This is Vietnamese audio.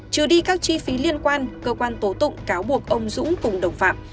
trừ đi các chi phí liên quan cơ quan tố tụng cáo buộc ông dũng cùng đồng phạm